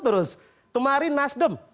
terus kemarin nasdem